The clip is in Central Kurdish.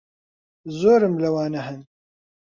زۆرم لەوانە ھەن.